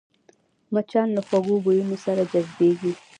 مچان له خوږو بویونو سره جذبېږي